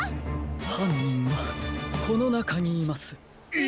はんにんはこのなかにいます。え！？